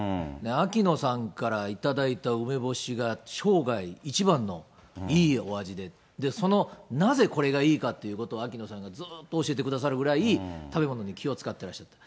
秋野さんから頂いた梅干しが生涯一番のいいお味で、なぜこれがいいかっていうことを秋野さんがずっと教えてくださるぐらい、食べ物に気を遣ってらっしゃる。